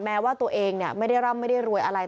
แม้ว่าตัวเองไม่ได้ร่ำไม่ได้รวยอะไร